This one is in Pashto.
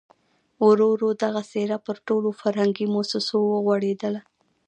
ورو ورو دغه څېره پر ټولو فرهنګي مؤسسو وغوړېدله.